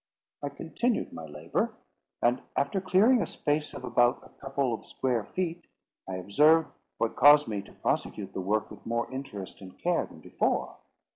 I continued my labour; and after clearing a space of about a couple of square feet, I observed what caused me to prosecute the work with more interest and care than before.